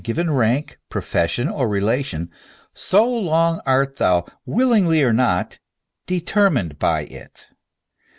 given rank, profession, or relation, so long art thou, willingly or not, determined by it.